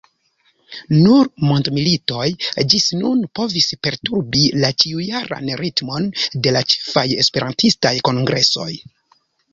Nur mondmilitoj ĝis nun povis perturbi la ĉiujaran ritmon de la ĉefaj esperantistaj kongresoj.